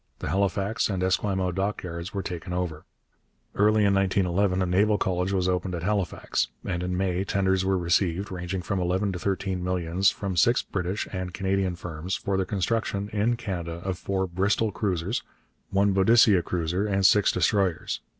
The Halifax and Esquimalt dockyards were taken over. Early in 1911 a Naval College was opened at Halifax; and in May tenders were received, ranging from eleven to thirteen millions, from six British and Canadian firms, for the construction, in Canada, of four Bristol cruisers, one Boadicea cruiser, and six destroyers.